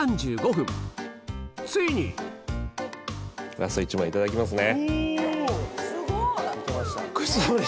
ラスト１枚いただきますね。